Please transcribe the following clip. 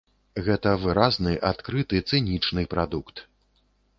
Гэта выразны, адкрыты, цынічны прадукт.